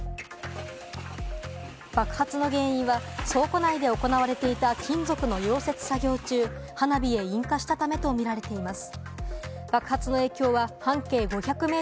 爆発の原因は倉庫内で行われていた金属の溶接作業中、花火に引火したためとみられています。